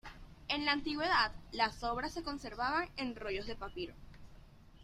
En la antigüedad las obras se conservaban en rollos de papiro.